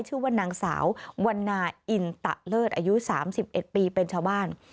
ชื่อว่านางสาววันนาอินตะเลิศอายุ๓๑ปีเป็นชาวบ้าน